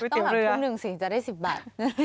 ต้องหลังทุ่ม๑สิจะได้๑๐บาท